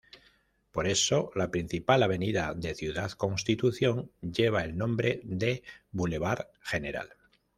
Por eso, la principal avenida de Ciudad Constitución, lleva el nombre de "Boulevard Gral.